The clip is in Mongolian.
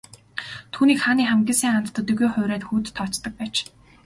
Түүнийг хааны хамгийн сайн анд төдийгүй хуурай хүүд тооцдог байж.